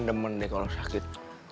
demen deh kalau sakit